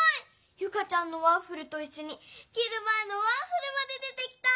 ユカちゃんのワッフルといっしょにきるまえのワッフルまで出てきた！